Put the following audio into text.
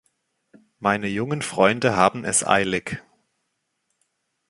Meine jungen Freunde haben es eilig.